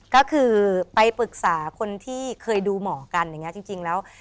ก็คือไปปรึกษาคนที่เคยดูหมอกันอย่างนี้จริงแล้ว